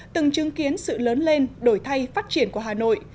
từng chứng kiến sự lớn lên đổi thay phát triển của hà nội